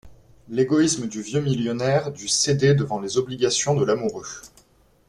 L’égoïsme du vieux millionnaire dut céder devant les obligations de l’amoureux.